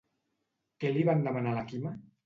Què li van demanar a la Quima?